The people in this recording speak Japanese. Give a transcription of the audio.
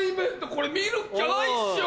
これ見るっきゃないっしょ！